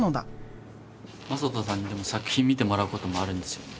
まさとさんに作品見てもらうこともあるんですよね？